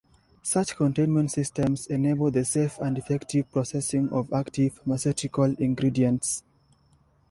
Such containment systems enable the safe and effective processing of active pharmaceutical ingredients.